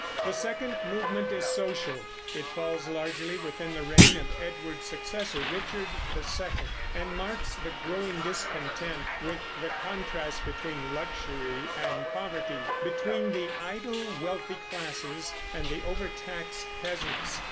The second movement is social; it falls largely within the reign of Edward's successor, Richard II, and marks the growing discontent with the contrast between luxury and poverty, between the idle wealthy classes and the overtaxed peasants.